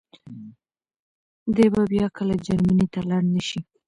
دی به بيا کله جرمني ته لاړ نه شي.